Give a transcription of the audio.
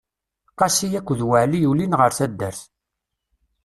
Qasi akked Waɛli ulin ɣer taddart.